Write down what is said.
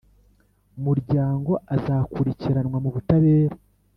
Muryango azakurikiranwa mu butabera